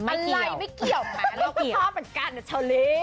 อะไรไม่เกี่ยวชอบเหมือนกันอ่ะเชาลี